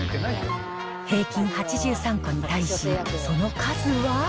平均８３個に対し、その数は？